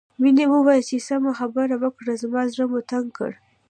مينې وويل چې سمه خبره وکړئ زما زړه مو تنګ کړ